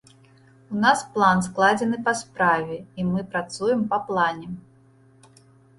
У нас план складзены па справе, і мы працуем па плане.